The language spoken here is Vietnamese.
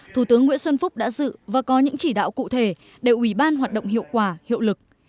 thủ tướng nguyễn xuân phúc đã dự và có những chỉ đạo cụ thể để ủy ban hoạt động hiệu quả hiệu lực